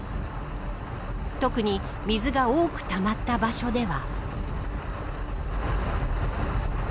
特に水が多くたまった場所では。